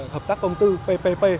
hợp tác công tư ppp